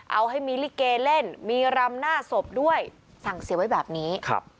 เอาให้มีลิเกเล่นมีรำหน้าศพด้วยสั่งเสียไว้แบบนี้ครับ